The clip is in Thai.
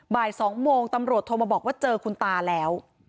บ่าย๒โมงตำรวจโทรมาบอกว่าเจอคุณตาแล้ว